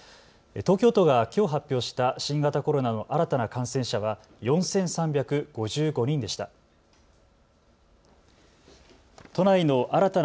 東京都がきょう発表した新型コロナの新たな感染者は４３５５人でした。